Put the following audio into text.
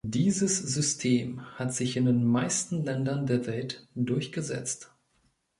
Dieses System hat sich in den meisten Ländern der Welt durchgesetzt.